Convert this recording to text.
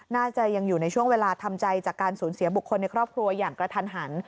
น่าจะยังอยู่ในช่วงเวลาทำใจจากการสูญเสียบุคคลในครอบครัวอย่างกระทันหัน